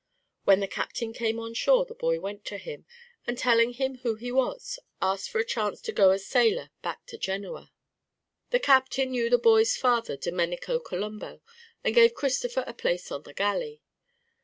When the captain came on shore the boy went to him, and telling him who he was, asked for a chance to go as sailor back to Genoa. The captain knew the boy's father, Domenico Colombo, and gave Christopher a place on the galley.